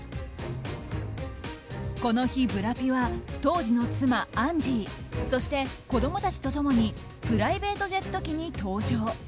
この日、ブラピは当時の妻アンジーそして子供たちと共にプライベートジェット機に搭乗。